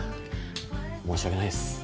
申し訳ないです。